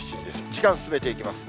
時間進めていきます。